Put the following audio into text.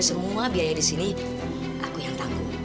semua biaya disini aku yang tanggung